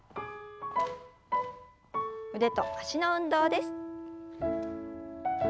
腕と脚の運動です。